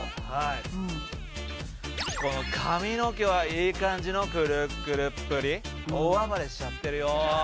「この髪の毛はいい感じのクルクルっぷり」「大暴れしちゃってるよ」